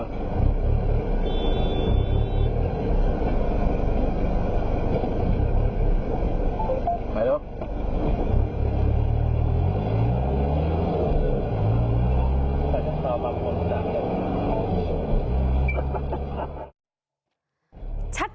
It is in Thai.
แสต็อมมัน